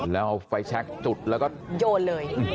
แล้วเอาไฟแชคจุดแล้วก็โยนเลย